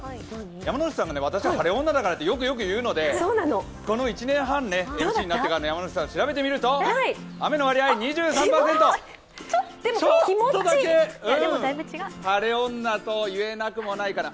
山内さんが、私、晴れ女だからってよくよく言うのでこの１年半、意地になって調べてみると、雨の割合２３％、ちょっとだけ晴れ女と言えなくもないかな。